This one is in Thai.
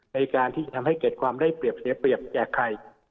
ในการที่จะทำให้เกิดความได้เปรียบเสียเปรียบแก่ใคร